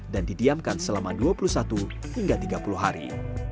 dan didiamkan selama dua puluh satu hingga tiga puluh hari